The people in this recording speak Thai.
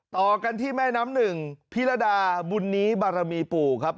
ต่อกันที่แม่น้ำหนึ่งพิรดาบุญนี้บารมีปู่ครับ